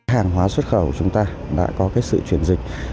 hàng hóa xuất khẩu chúng ta đã có cái sự chuyển dịch